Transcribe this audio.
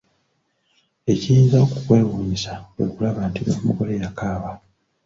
Ekiyinza okukwewuunyisa, kwe kulaba nti n'omugole yakaaba.